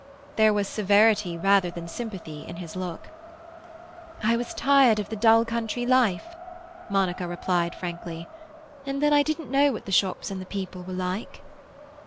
There was severity rather than sympathy in his look. "I was tired of the dull country life," Monica replied frankly. "And then I didn't know what the shops and the people were like."